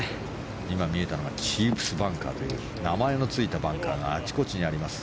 今見えたのがチープスバンカーという名前のついたバンカーがあちこちにあります。